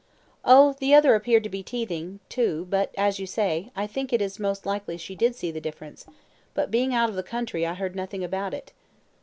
"Oh, the other appeared to be teething too; but, as you say, I think it is most like she did see the difference, but being out of the country I heard nothing about it."